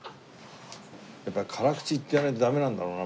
やっぱり辛口って言わないとダメなんだろうな。